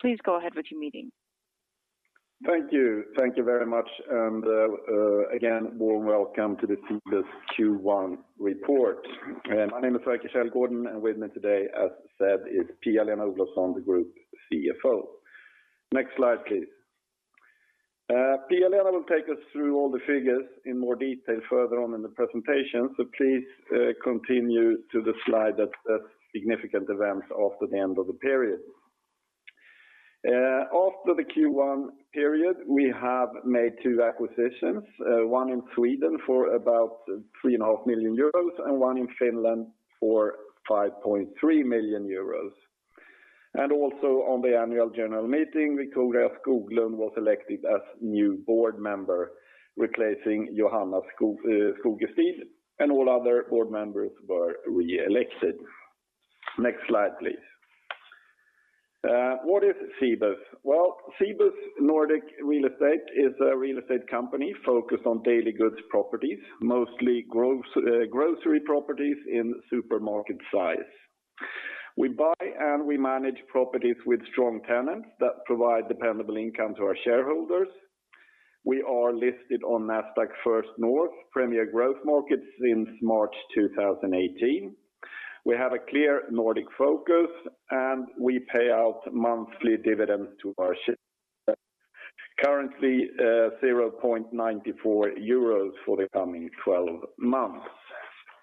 Please go ahead with your meeting. Thank you. Thank you very much. Again, warm welcome to the Cibus Q1 report. My name is Sverker Källgården, and with me today, as said, is Pia-Lena Olofsson, the Group CFO. Next slide, please. Pia-Lena will take us through all the figures in more detail further on in the presentation, please continue to the slide that says significant events after the end of the period. After the Q1 period, we have made two acquisitions, one in Sweden for about 3.5 million euros and one in Finland for 5.3 million euros. Also on the Annual General Meeting, Victoria Skoglund was elected as new board member, replacing Johanna Skogestig, and all other board members were re-elected. Next slide, please. What is Cibus? Cibus Nordic Real Estate is a real estate company focused on daily goods properties, mostly grocery properties in supermarket size. We buy and we manage properties with strong tenants that provide dependable income to our shareholders. We are listed on Nasdaq First North Premier Growth Market since March 2018. We have a clear Nordic focus, we pay out monthly dividends to our shareholders. Currently, 0.94 euros for the coming 12 months.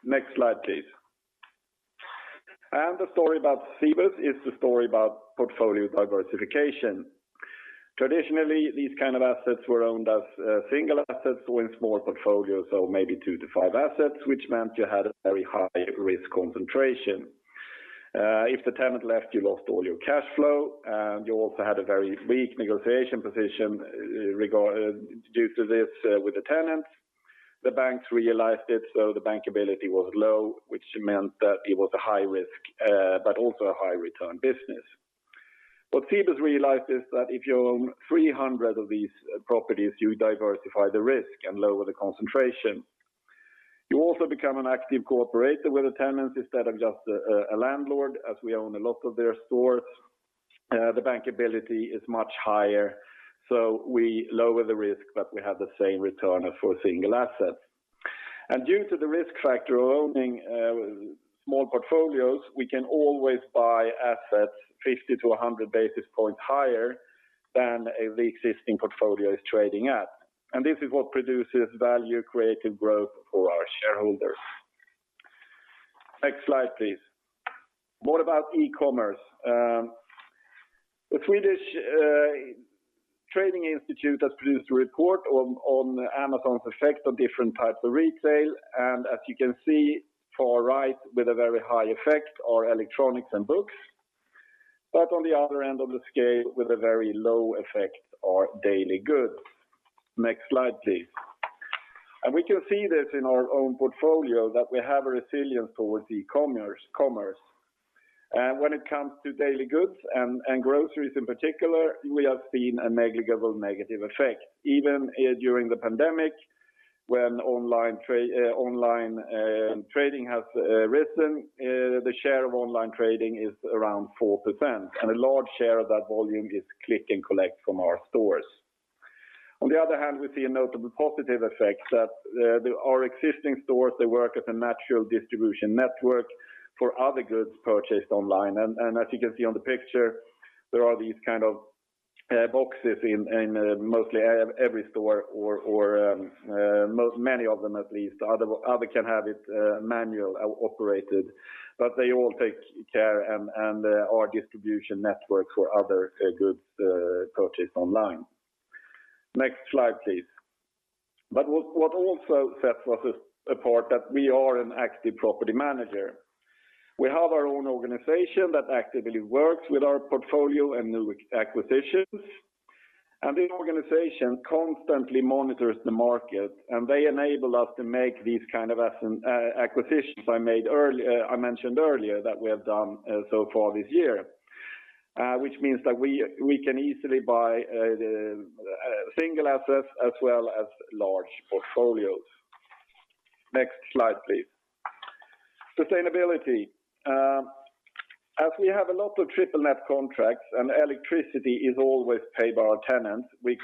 Next slide, please. The story about Cibus is the story about portfolio diversification. Traditionally, these kind of assets were owned as single assets or in small portfolios, so maybe two to five assets, which meant you had a very high-risk concentration. If the tenant left, you lost all your cash flow, you also had a very weak negotiation position due to this with the tenants. The banks realized it, the bankability was low, which meant that it was a high-risk but also a high-return business. What Cibus realized is that if you own 300 of these properties, you diversify the risk and lower the concentration. You also become an active cooperator with the tenants instead of just a landlord, as we own a lot of their stores. The bankability is much higher, so we lower the risk, but we have the same return as for a single asset. Due to the risk factor of owning small portfolios, we can always buy assets 50 to 100 basis points higher than the existing portfolio is trading at. This is what produces value-created growth for our shareholders. Next slide, please. What about e-commerce? The Swedish Trade Federation has produced a report on Amazon's effect on different types of retail, and as you can see far right with a very high effect are electronics and books. On the other end of the scale with a very low effect are daily goods. Next slide, please. We can see this in our own portfolio that we have a resilience towards e-commerce. When it comes to daily goods and groceries in particular, we have seen a negligible negative effect. Even during the pandemic, when online trading has risen, the share of online trading is around 4%, and a large share of that volume is click and collect from our stores. On the other hand, we see a notable positive effect that our existing stores, they work as a natural distribution network for other goods purchased online. As you can see on the picture, there are these kind of boxes in mostly every store or many of them at least. Other can have it manual operated, but they all take care and are distribution networks for other goods purchased online. Next slide, please. What also sets us apart, that we are an active property manager. We have our own organization that actively works with our portfolio and new acquisitions, and the organization constantly monitors the market, and they enable us to make these kind of acquisitions I mentioned earlier that we have done so far this year. Which means that we can easily buy single assets as well as large portfolios. Next slide, please. Sustainability. As we have a lot of triple net contracts and electricity is always paid by our tenants, we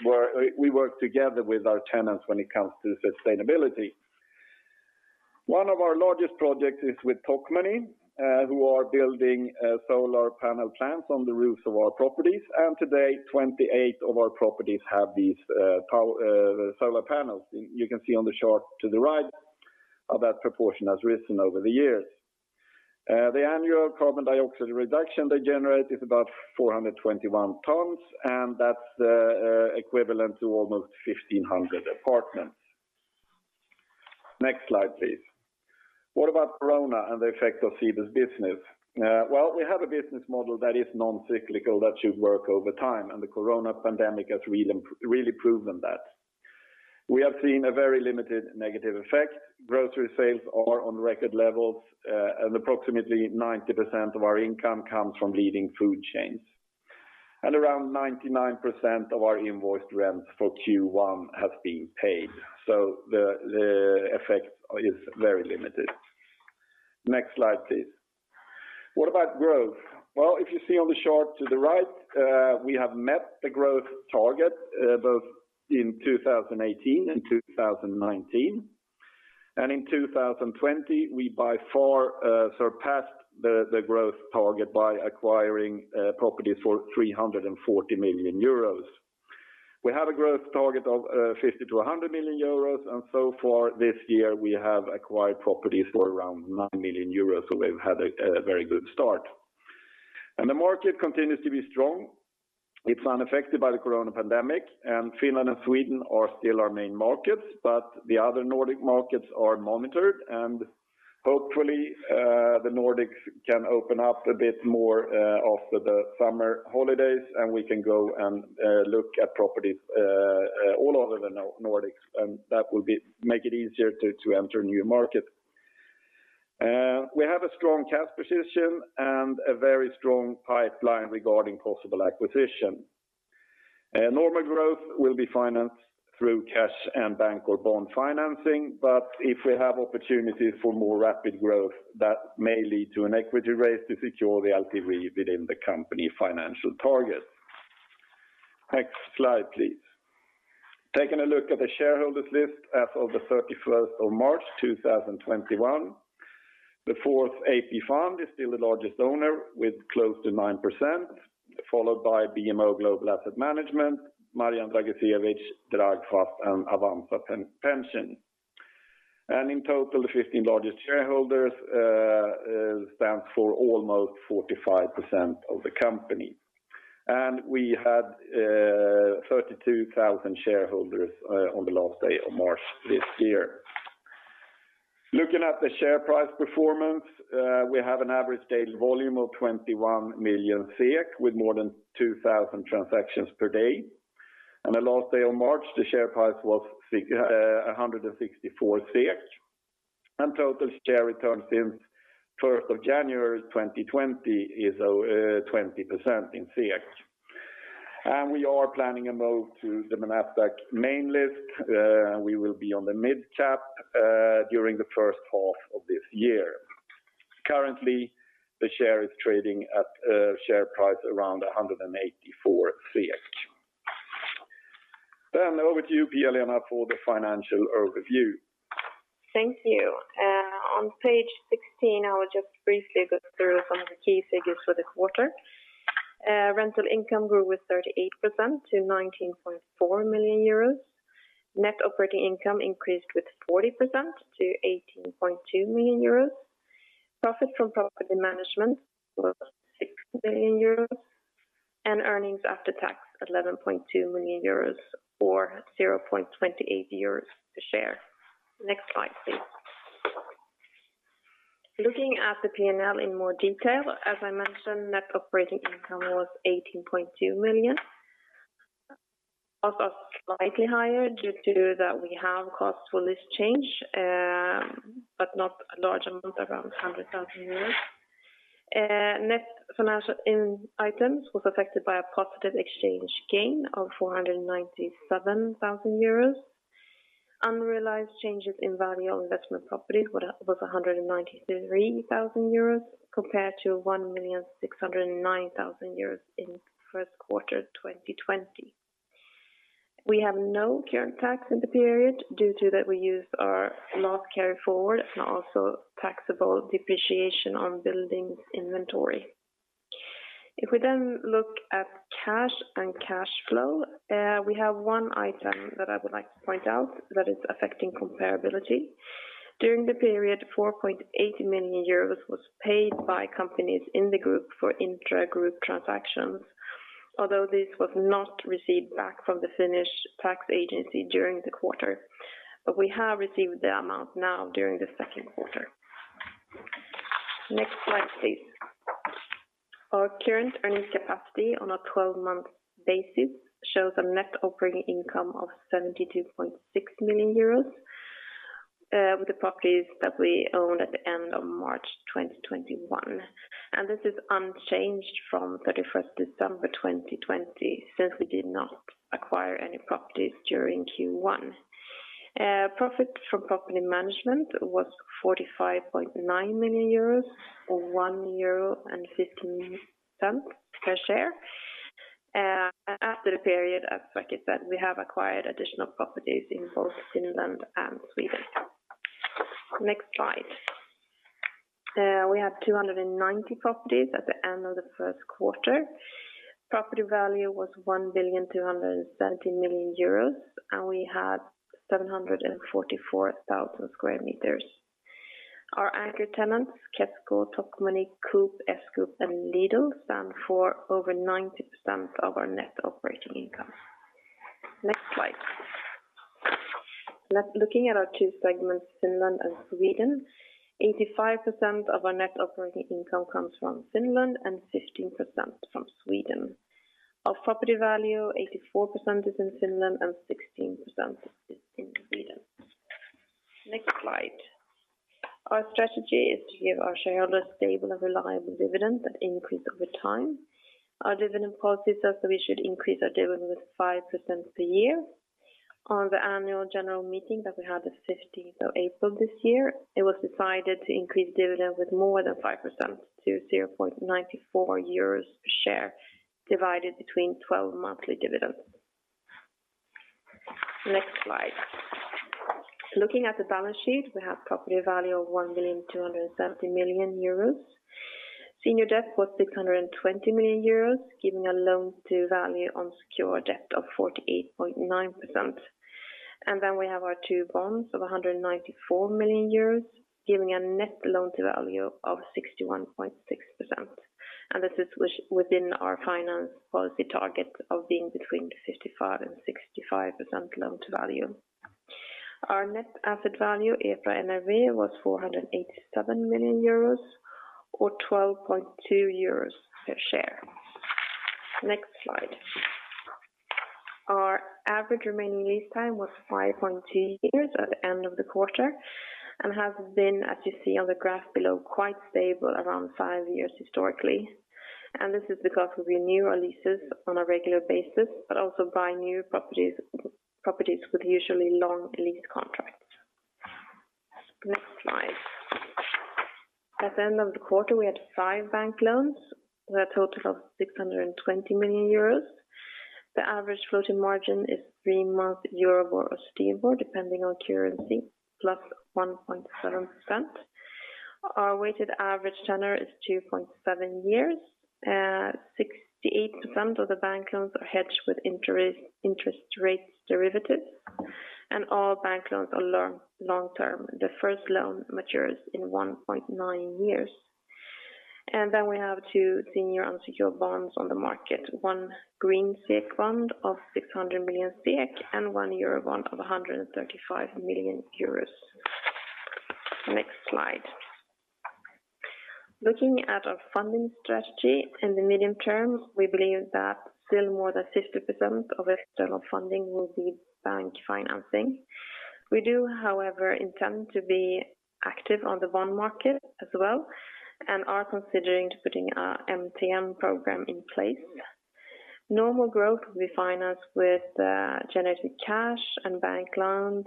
work together with our tenants when it comes to sustainability. One of our largest projects is with Tokmanni, who are building solar panel plants on the roofs of our properties. Today, 28 of our properties have these solar panels. You can see on the chart to the right how that proportion has risen over the years. The annual carbon dioxide reduction they generate is about 421 tons, that's equivalent to almost 1,500 apartments. Next slide, please. What about corona and the effect of Cibus business? Well, we have a business model that is non-cyclical, that should work over time, and the corona pandemic has really proven that. We have seen a very limited negative effect. Grocery sales are on record levels. Approximately 90% of our income comes from leading food chains. Around 99% of our invoiced rent for Q1 has been paid, the effect is very limited. Next slide, please. What about growth? Well, if you see on the chart to the right, we have met the growth target both in 2018 and 2019. In 2020, we by far surpassed the growth target by acquiring properties for 340 million euros. We have a growth target of 50 million-100 million euros, and so far this year we have acquired properties for around 9 million euros. We've had a very good start. The market continues to be strong. It's unaffected by the corona pandemic, and Finland and Sweden are still our main markets, but the other Nordic markets are monitored and hopefully, the Nordics can open up a bit more after the summer holidays and we can go and look at properties all over the Nordics, and that will make it easier to enter new markets. We have a strong cash position and a very strong pipeline regarding possible acquisition. Normal growth will be financed through cash and bank or bond financing, but if we have opportunities for more rapid growth, that may lead to an equity raise to secure the LTV within the company financial target. Next slide, please. Taking a look at the shareholders list as of the 31st of March 2021. The Fourth AP Fund is still the largest owner with close to 9%, followed by BMO Global Asset Management, Marjan Dragicevic, Dragfast, and Avanza Pension. In total, the 15 largest shareholders stand for almost 45% of the company. We had 32,000 shareholders on the last day of March this year. Looking at the share price performance, we have an average daily volume of 21 million with more than 2,000 transactions per day. On the last day of March, the share price was 164, and total share return since first of January 2020 is 20% in SEK. We are planning a move to the Nasdaq Main List. We will be on the mid-cap during the first half of this year. Currently, the share is trading at share price around 184. Over to you, Pia-Lena for the financial overview. Thank you. On page 16, I will just briefly go through some of the key figures for the quarter. Rental income grew with 38% to 19.4 million euros. Net operating income increased with 40% to 18.2 million euros. Profit from property management was 6 million euros, earnings after tax, 11.2 million euros or 0.28 euros a share. Next slide, please. Looking at the P&L in more detail, as I mentioned, net operating income was 18.2 million. Cost are slightly higher due to that we have cost for list change, not a large amount, around 100,000 euros. Net financial end items was affected by a positive exchange gain of 497,000 euros. Unrealized changes in value of investment properties was 193,000 euros compared to 1,609,000 euros in first quarter 2020. We have no current tax in the period due to that we use our loss carry-forward and also taxable depreciation on buildings inventory. If we look at cash and cash flow, we have one item that I would like to point out that is affecting comparability. During the period, 4.8 million euros was paid by companies in the group for intra-group transactions. This was not received back from the Finnish Tax agency during the quarter. We have received the amount now during the second quarter. Next slide, please. Our current earning capacity on a 12-month basis shows a net operating income of 72.6 million euros. The properties that we own at the end of March 2021, and this is unchanged from 31st December 2020, since we did not acquire any properties during Q1. Profit from property management was 45.9 million euros or 1.15 euro per share. After the period, as Sverker said, we have acquired additional properties in both Finland and Sweden. Next slide. We have 290 properties at the end of the first quarter. Property value was 1.27 billion euros, and we had 744,000 sq m. Our anchor tenants, Kesko, Tokmanni, Coop, S-Group, and Lidl stand for over 90% of our net operating income. Next slide. Looking at our two segments, Finland and Sweden, 85% of our net operating income comes from Finland and 15% from Sweden. Our property value, 84% is in Finland and 16% is in Sweden. Next slide. Our strategy is to give our shareholders stable and reliable dividend that increase over time. Our dividend policy says that we should increase our dividend with 5% per year. On the Annual General Meeting that we had the 15th of April this year, it was decided to increase dividend with more than 5% to 0.94 euros per share, divided between 12 monthly dividends. Next slide. Looking at the balance sheet, we have property value of 1,270,000,000 euros. Senior debt was 620,000,000 euros, giving a loan to value on secure debt of 48.9%. Then we have our two bonds of 194,000,000 euros, giving a net loan to value of 61.6%. This is within our finance policy target of being between 55% and 65% loan to value. Our net asset value, EPRA NRV, was 487,000,000 euros or 12.2 euros per share. Next slide. Our average remaining lease time was 5.2 years at the end of the quarter and has been, as you see on the graph below, quite stable around five years historically. This is because we renew our leases on a regular basis, but also buy new properties with usually long lease contracts. Next slide. At the end of the quarter, we had five bank loans with a total of 620 million euros. The average floating margin is three-month EURIBOR or STIBOR, depending on currency, +1.7%. Our weighted average tenor is 2.7 years. 68% of the bank loans are hedged with interest rates derivatives, and all bank loans are long-term. The first loan matures in 1.9 years. We have two senior unsecured bonds on the market. One green SEK bond of 600 million SEK and one EUR bond of 135 million euros. Next slide. Looking at our funding strategy in the medium term, we believe that still more than 50% of external funding will be bank financing. We do, however, intend to be active on the bond market as well and are considering putting a MTN program in place. Normal growth will be financed with generated cash and bank loans,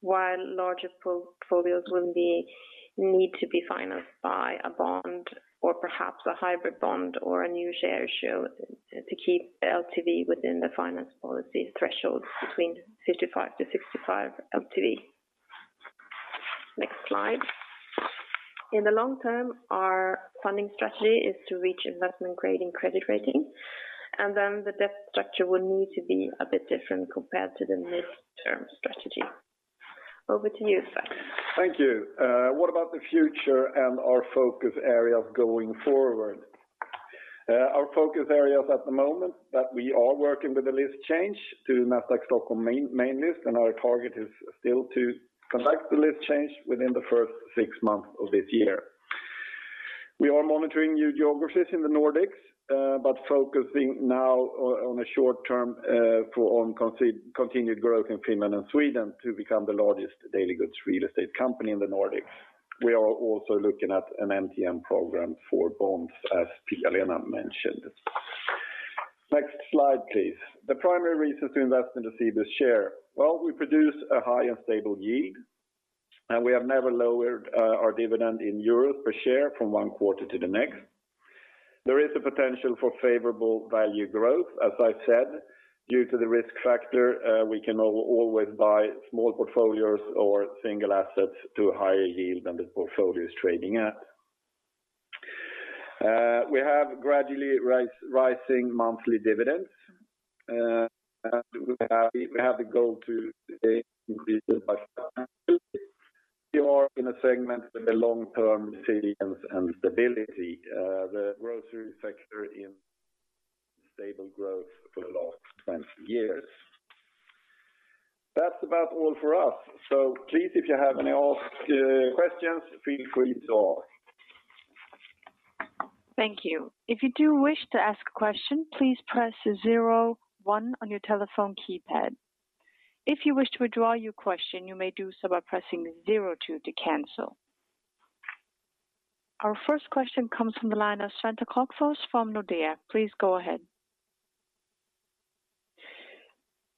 while larger portfolios will need to be financed by a bond or perhaps a hybrid bond or a new share issue to keep the LTV within the finance policy thresholds between 55%-65% LTV. Next slide. In the long term, our funding strategy is to reach investment grade in credit rating, and then the debt structure will need to be a bit different compared to the midterm strategy. Over to you, Sverker. Thank you. What about the future and our focus areas going forward? Our focus areas at the moment that we are working with the list change to Nasdaq Stockholm main list. Our target is still to conduct the list change within the first six months of this year. We are monitoring new geographies in the Nordics, focusing now on a short term for continued growth in Finland and Sweden to become the largest daily goods real estate company in the Nordics. We are also looking at an MTN program for bonds, as Pia-Lena mentioned. Next slide, please. The primary reasons to invest in the Cibus share. Well, we produce a high and stable yield. We have never lowered our dividend in EUR per share from one quarter to the next. There is a potential for favorable value growth. As I've said, due to the risk factor, we can always buy small portfolios or single assets to a higher yield than the portfolio is trading at. We have gradually rising monthly dividends, and we have the goal to increase it by 2%. We are in a segment with a long-term resilience and stability. The grocery sector in stable growth for the last 20 years. That's about all for us. Please, if you have any questions, feel free to ask. Thank you. If you do wish to ask question, please press zero-one to your telephone keypad. If you wish to withdraw your question, you may do so by pressing zero-two to cancel. Our first question comes from the line of Svante Krokfors from Nordea. Please go ahead.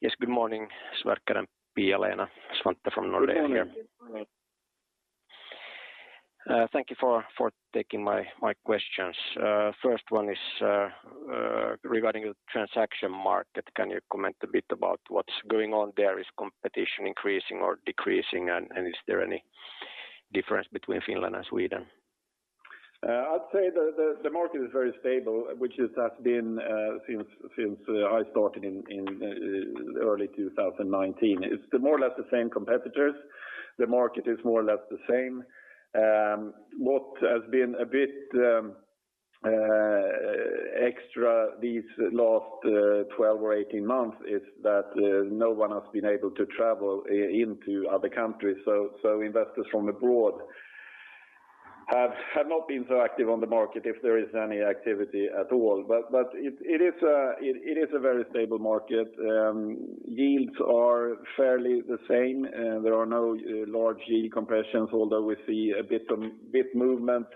Yes, good morning, Sverker and Pia-Lena. Svante from Nordea here. Good morning. Good morning. Thank you for taking my questions. First one is regarding the transaction market. Can you comment a bit about what's going on there? Is competition increasing or decreasing, is there any difference between Finland and Sweden? I'd say the market is very stable, which it has been since I started in early 2019. It's more or less the same competitors. The market is more or less the same. What has been a bit extra these last 12 or 18 months is that no one has been able to travel into other countries. Investors from abroad have not been so active on the market, if there is any activity at all. It is a very stable market. Yields are fairly the same. There are no large yield compressions, although we see a bit of movement,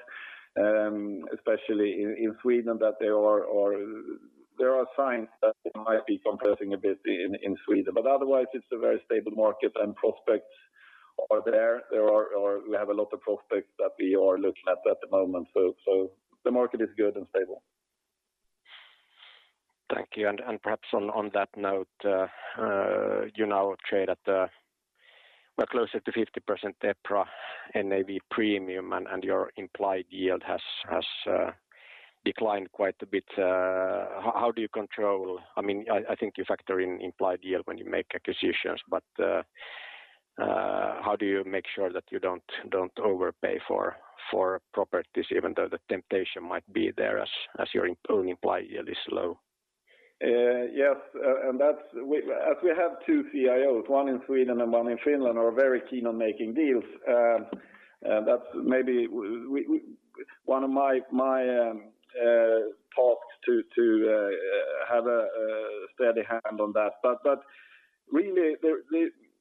especially in Sweden, that there are signs that it might be compressing a bit in Sweden. Otherwise, it's a very stable market, and prospects are there. We have a lot of prospects that we are looking at at the moment. The market is good and stable. Thank you. Perhaps on that note, you now trade at a much closer to 50% EPRA NAV premium, and your implied yield has declined quite a bit. I think you factor in implied yield when you make acquisitions, but how do you make sure that you don't overpay for properties, even though the temptation might be there as your own implied yield is low? As we have two CIOs, one in Sweden and one in Finland, are very keen on making deals. It's one of my tasks to have a steady hand on that. Really,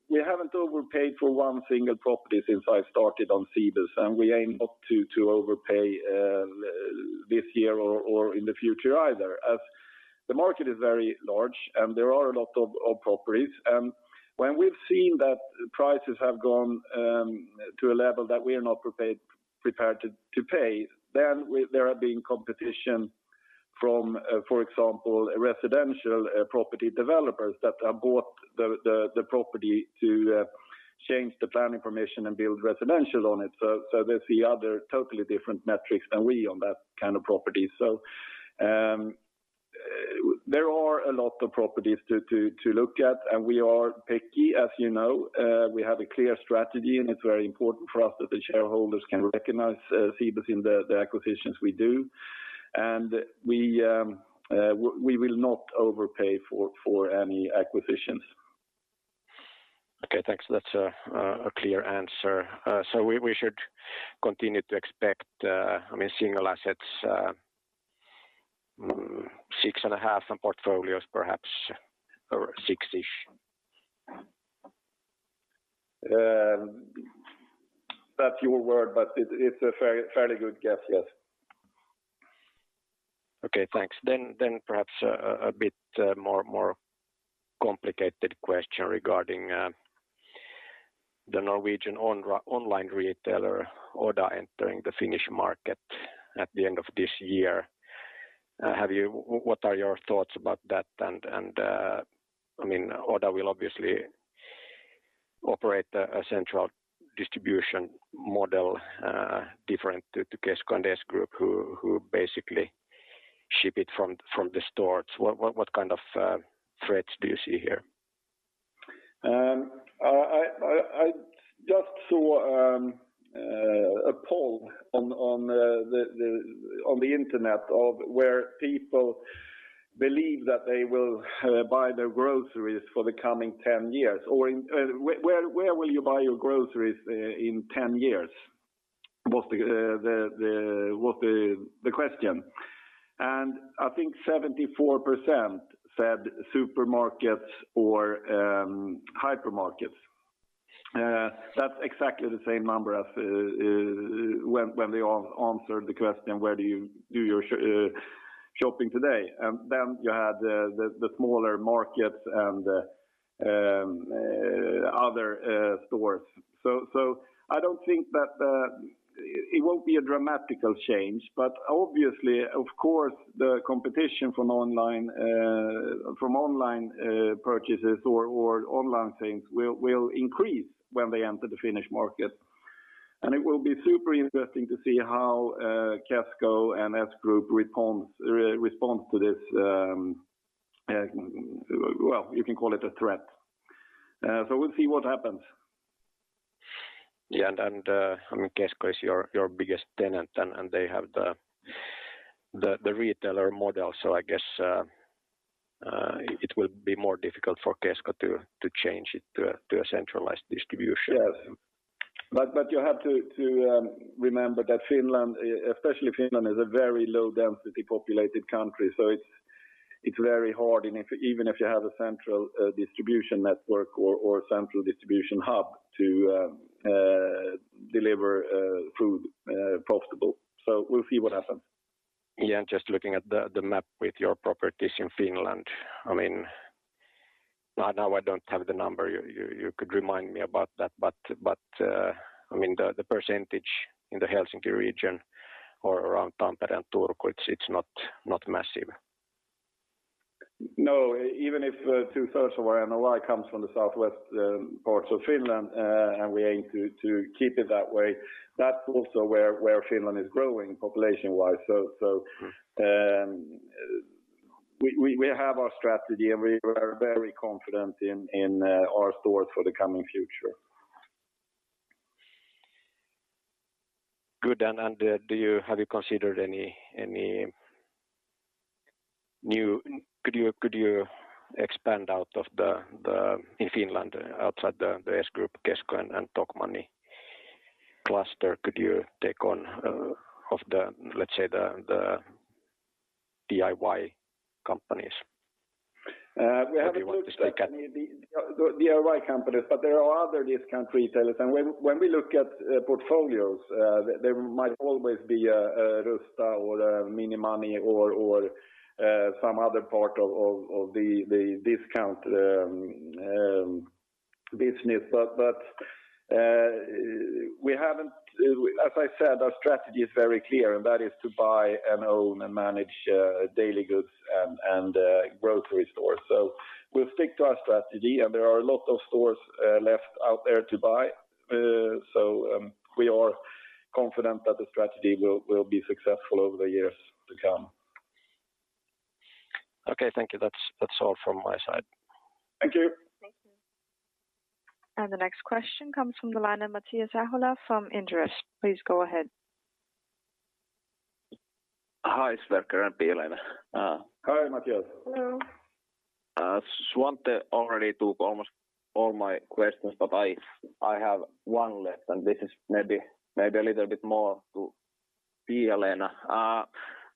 we haven't overpaid for one single property since I started on Cibus, we aim not to overpay this year or in the future either, as the market is very large and there are a lot of properties. When we've seen that prices have gone to a level that we are not prepared to pay, there have been competition from, for example, residential property developers that have bought the property to change the planning permission and build residential on it. They see other totally different metrics than we on that kind of property. There are a lot of properties to look at, we are picky, as you know. We have a clear strategy, it's very important for us that the shareholders can recognize Cibus in the acquisitions we do. We will not overpay for any acquisitions. Okay, thanks. That's a clear answer. We should continue to expect with single assets 6.5 And portfolios perhaps, or six-ish. That's your word, but it's a fairly good guess, yes. Okay, thanks. Perhaps a bit more complicated question regarding the Norwegian online retailer, Oda, entering the Finnish market at the end of this year. What are your thoughts about that? Oda will obviously operate a central distribution model different to Kesko and S-Group, who basically ship it from the stores. What kind of threats do you see here? I just saw a poll on the internet of where people believe that they will buy their groceries for the coming 10 years, or where will you buy your groceries in 10 years, was the question. I think 74% said supermarkets or hypermarkets. That's exactly the same number as when they answered the question, where do you do your shopping today? You had the smaller markets and other stores. I don't think that it won't be a dramatic change, but obviously, of course, the competition from online purchases or online things will increase when they enter the Finnish market. It will be super interesting to see how Kesko and S-Group respond to this, well, you can call it a threat. We'll see what happens. Kesko is your biggest tenant, and they have the retailer model, so I guess it would be more difficult for Kesko to change it to a centralized distribution. Yes. You have to remember that Finland, especially Finland, is a very low density populated country, it's very hard, even if you have a central distribution network or a central distribution hub to deliver food profitable. We'll see what happens. Yeah, just looking at the map with your properties in Finland. Now I don't have the number, you could remind me about that, but the percentage in the Helsinki region or around Tampere and Turku, it's not massive. No, even if two-thirds of our NOI comes from the southwest parts of Finland, and we aim to keep it that way, that's also where Finland is growing population-wise. We have our strategy, and we are very confident in our stores for the coming future. Good. Could you expand out in Finland, outside the S-Group, Kesko, and Tokmanni cluster? Could you take on, let's say the DIY companies? Maybe you want to speak up. DIY companies, but there are other discount retailers. When we look at portfolios, there might always be a Rusta or a Minimani or some other part of the discount business. As I said, our strategy is very clear, and that is to buy and own and manage daily goods and grocery stores. We'll stick to our strategy, and there are a lot of stores left out there to buy. We are confident that the strategy will be successful over the years to come. Okay, thank you. That's all from my side. Thank you. Thank you. The next question comes from the line of Matias Arola from Inderes. Please go ahead. Hi, Sverker and Pia-Lena. Hi, Matias. Hello. Svante already took almost all my questions. I have one left. This is maybe a little bit more to Pia-Lena.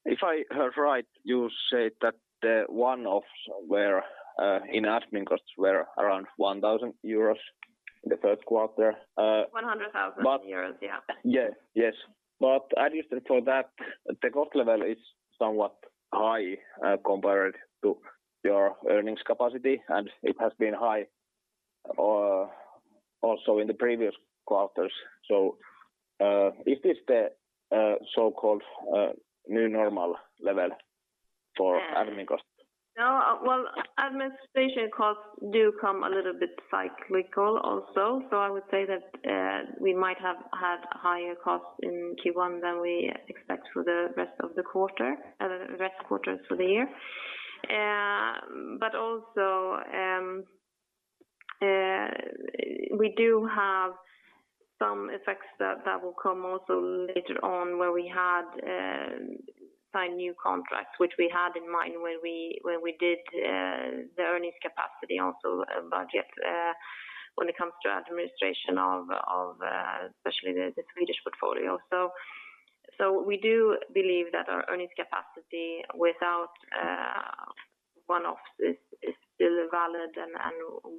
If I heard right, you said that the one-offs in admin costs were around 1,000 euros in the first quarter. 100,000 euros, yeah. Yes. Adjusted for that, the cost level is somewhat high compared to your earnings capacity, and it has been high also in the previous quarters. Is this the so-called new normal level for admin costs? No. Well, administration costs do come a little bit cyclical also. I would say that we might have had higher costs in Q1 than we expect for the rest of the quarter, the rest quarters for the year. Also, we do have some effects that will come also later on where we had signed new contracts, which we had in mind when we did the earnings capacity also budget when it comes to administration of especially the Swedish portfolio. We do believe that our earnings capacity without one-offs is still valid and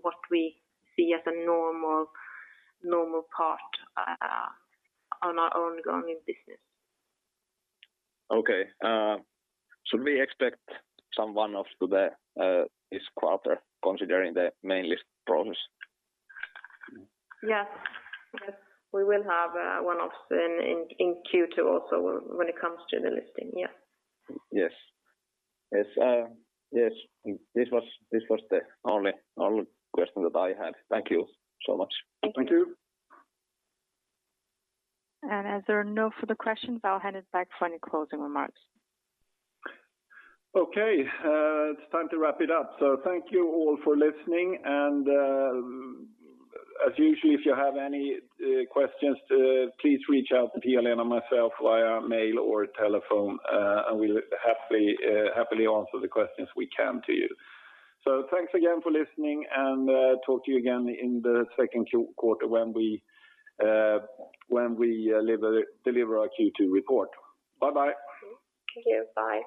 what we see as a normal costs on our ongoing business. Okay. Should we expect some one-offs to this quarter considering the main list problems? Yes. We will have one-offs in Q2 also when it comes to the listing, yeah. Yes. This was the only question that I had. Thank you so much. Thank you. Thank you. As there are no further questions, I'll hand it back for any closing remarks. Okay. It is time to wrap it up. Thank you all for listening, and as usual, if you have any questions, please reach out to Pia-Lena or myself via mail or telephone, and we will happily answer the questions we can to you. Thanks again for listening and talk to you again in the second quarter when we deliver our Q2 report. Bye. Thank you. Bye.